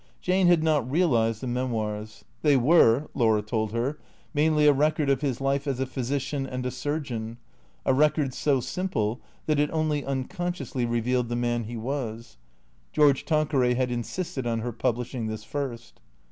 Jane had not realized the memoirs. They were, Laura told her, mainly a record of his life as a physician and a surgeon, a record so simple that it only un consciously revealed the man he was. George Tanqueray had insisted on her publishing this first.